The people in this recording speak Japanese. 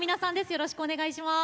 よろしくお願いします。